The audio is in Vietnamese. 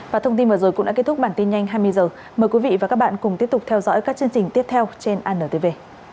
và thông tin vừa rồi cũng đã kết thúc bản tin nhanh hai mươi h mời quý vị và các bạn cùng tiếp tục theo dõi các chương trình tiếp theo trên antv